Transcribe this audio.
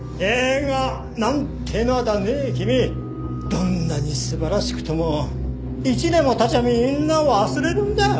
どんなに素晴らしくとも１年も経ちゃみんな忘れるんだ。